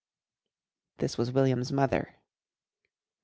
This was William's mother.